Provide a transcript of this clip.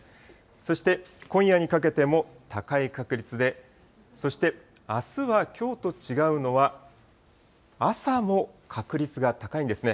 そして今夜にかけても高い確率で、そしてあすはきょうと違うのは、朝も確率が高いんですね。